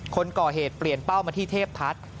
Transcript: คนก่อเหตุเปลี่ยนเป้ามาที่เทพทัศน์